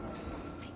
はい。